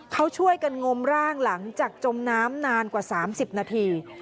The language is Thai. เขาช่วยกันงมร่างหลังจากจมน้ำนานกว่า๓๐นาที